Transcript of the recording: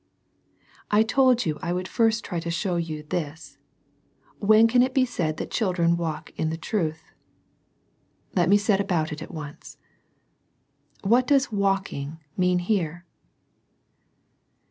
I. I told you I would first try to show you this, —" When can it be said that children walk in truth 7 " Let me set about it at once. What does ^^walking^^ mean here?